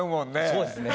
そうですね。